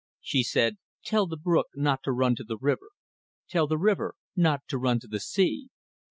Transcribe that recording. She said "Tell the brook not to run to the river; tell the river not to run to the sea.